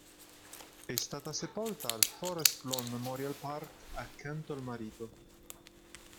È stata sepolta al Forest Lawn Memorial Park accanto al marito.